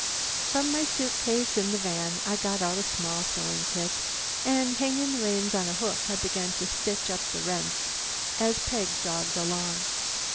From my suit case in the van I got out a small sewing kit, and hanging the reins on a hook I began to stitch up the rents as Peg jogged along.